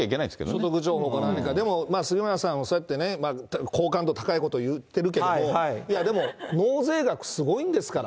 所得情報でも杉村さんもそうやってね、高感度高いこと言ってるけども、でも納税額すごいんですから。